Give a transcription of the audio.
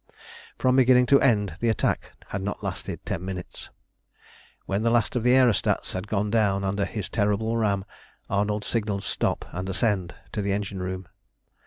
From beginning to end the attack had not lasted ten minutes. When the last of the aerostats had gone down under his terrible ram, Arnold signalled "Stop, and ascend," to the engine room.